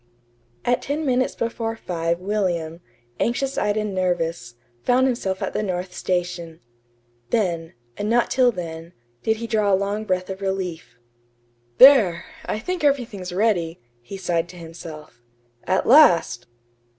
At ten minutes before five William, anxious eyed and nervous, found himself at the North Station. Then, and not till then, did he draw a long breath of relief. "There! I think everything's ready," he sighed to himself. "At last!"